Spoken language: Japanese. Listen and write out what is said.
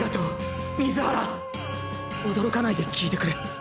驚かないで聞いてくれ。